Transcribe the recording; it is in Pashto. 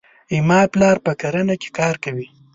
زما پلار په کرنې کې کار کوي.